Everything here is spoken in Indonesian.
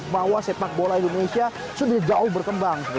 bahwa sepak bola indonesia sudah jauh berkembang